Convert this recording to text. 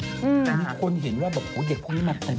แต่มีคนเห็นว่าแบบเด็กพวกนี้มาเต็ม